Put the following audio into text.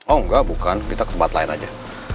oh enggak bukan kita ke tempat lain aja